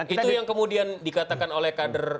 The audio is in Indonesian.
itu yang kemudian dikatakan oleh kader